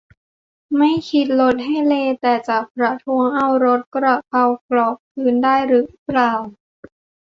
ไม่คิดรสให้เลย์แต่จะประท้วงเอารสกระเพรากรอบคืนได้รึเปล่า